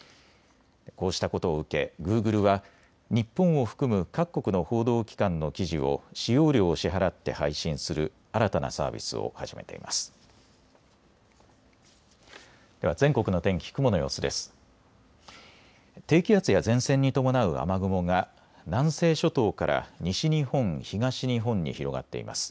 こうしたことを受け、グーグルは日本を含む各国の報道機関の記事を使用料を支払って配信する新たなサービスを始めています。